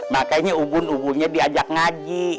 makanya ubun ubunnya diajak ngaji